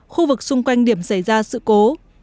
khu vực xung quanh điểm xảy ra sự cố